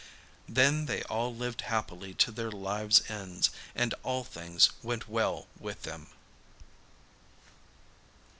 Then they all lived happily to their lives' ends, and all things went well with them.